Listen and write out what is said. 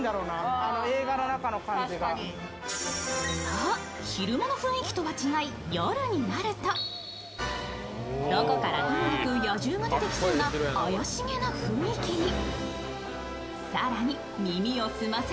そう、昼間の雰囲気とは違い夜になるとどこからともなく野獣が出てきそうな怪しげな雰囲気に。